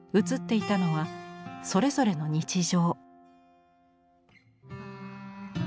写っていたのはそれぞれの日常。